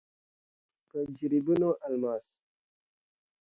په جريبونو الماس.